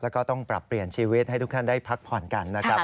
แล้วก็ต้องปรับเปลี่ยนชีวิตให้ทุกท่านได้พักผ่อนกันนะครับ